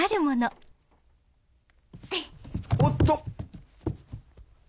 おっと！